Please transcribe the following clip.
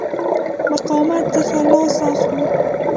مقاومته څخه لاس اخلي.